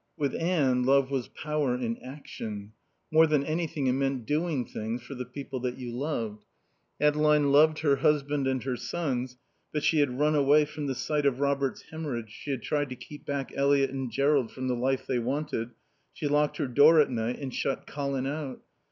With Anne love was power in action. More than anything it meant doing things for the people that you loved. Adeline loved her husband and her sons, but she had run away from the sight of Robert's haemorrhage, she had tried to keep back Eliot and Jerrold from the life they wanted, she locked her door at night and shut Colin out.